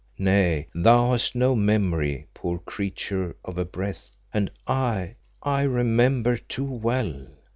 Nay, thou hast no memory, poor creature of a breath, and I I remember too well.